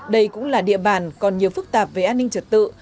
đây cũng là địa bàn còn nhiều phức tạp về an ninh trật tự